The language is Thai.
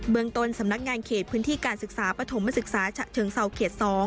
เมืองต้นสำนักงานเขตพื้นที่การศึกษาปฐมศึกษาฉะเชิงเซาเขต๒